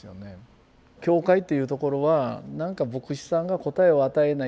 教会っていうところはなんか牧師さんが答えを与えない